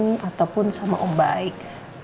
tidak boleh benci sama tante prusin